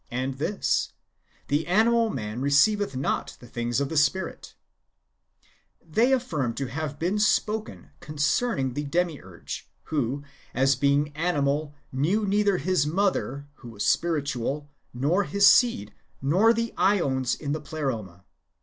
"^ And this, " The animal man receiveth not the things of the Spirit," they affirm to have been spoken concerning the Demiurge, who, as beincp animal, knew neither his mother who was spiritual, nor her seed, nor the ^ons in the Pleroma.